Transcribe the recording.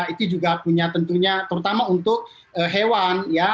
itu juga punya tentunya terutama untuk hewan ya